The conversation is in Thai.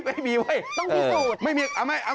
ไม่มีเว้ย